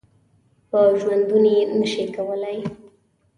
په ژوندوني نه شي کولای .